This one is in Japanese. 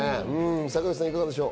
坂口さん、どうでしょう？